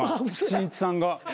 しんいちさんが。